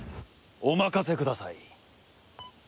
お任せください。